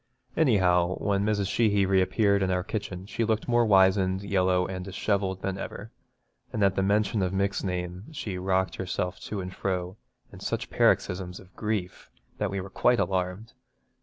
Anyhow, when Mrs. Sheehy reappeared in our kitchen she looked more wizened, yellow, and dishevelled than ever, and at the mention of Mick's name she rocked herself to and fro in such paroxysms of grief that we were quite alarmed.